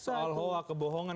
soal huat kebohongan